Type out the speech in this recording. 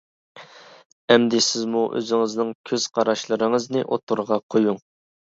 ئەمدى سىزمۇ ئۆزىڭىزنىڭ كۆز قاراشلىرىڭىزنى ئوتتۇرىغا قويۇڭ.